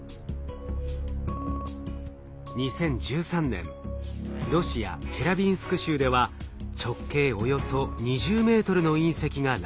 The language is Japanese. ２０１３年ロシア・チェリャビンスク州では直径およそ２０メートルの隕石が落下。